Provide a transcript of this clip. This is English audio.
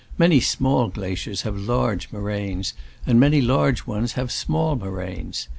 Many small glaciers have large moraines, and many large ones have small moraines.